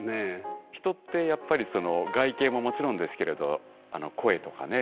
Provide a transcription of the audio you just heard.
人ってやっぱりその外見ももちろんですけれど声とかね